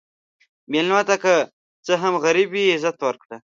مېلمه ته که څه هم غریب وي، عزت ورکړه.